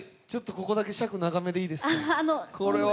ここだけ尺長くていいですか？